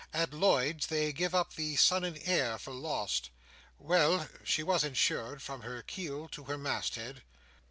At Lloyd's, they give up the Son and Heir for lost. Well, she was insured, from her keel to her masthead."